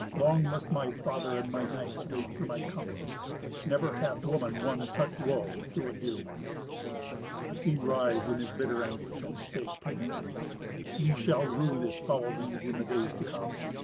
Long must my father and my knights wait for my coming. Never hath woman won such woe through a dear one." He writhed in his bitter anguish, and spake painfully, "Ye shall rue this foul deed in the days to come.